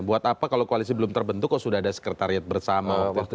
buat apa kalau koalisi belum terbentuk kok sudah ada sekretariat bersama waktu itu